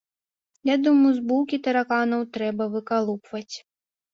Я думаю, з булкі тараканаў трэба выкалупваць.